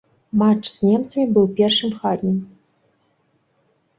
Матч з немцамі быў першым хатнім.